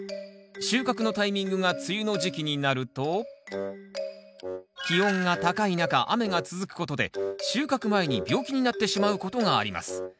収穫のタイミングが梅雨の時期になると気温が高い中雨が続くことで収穫前に病気になってしまうことがあります。